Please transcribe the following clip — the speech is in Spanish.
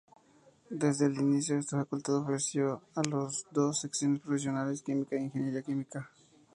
Desde el inicio, esta facultad ofreció las dos secciones profesionales: Química e ingeniería química.